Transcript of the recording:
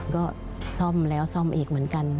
ก็ซ่อมแล้วซ่อมอีกเหมือนกัน